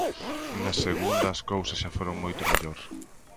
Na segunda as cousas xa foron moito mellor.